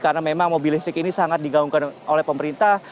karena memang mobil listrik ini sangat diganggu oleh pemerintah